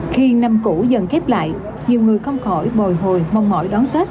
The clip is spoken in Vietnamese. khi năm cũ dần khép lại nhiều người không khỏi bồi hồi mong mỏi đón tết